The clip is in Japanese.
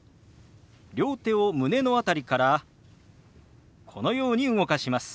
両手を胸の辺りからこのように動かします。